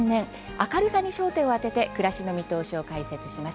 明るさに焦点を当てて暮らしの見通しを解説します。